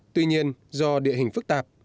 tuy nhiên do địa hình phức tạp